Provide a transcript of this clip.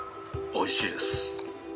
おいしいです。